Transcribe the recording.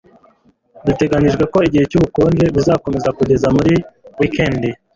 Biteganijwe ko ibihe byubukonje bizakomeza kugeza muri wikendi